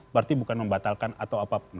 berarti bukan membatalkan atau apapun